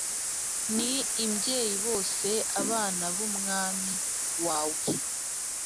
ni imbyeyi bose abana b’umwami wawe